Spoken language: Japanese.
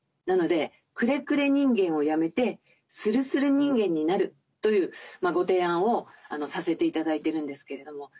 なので「くれくれ人間」をやめて「するする人間」になるというご提案をさせて頂いてるんですけれども。